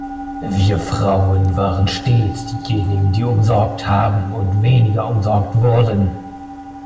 Wir Frauen waren stets diejenigen, die umsorgt haben und weniger umsorgt wurden.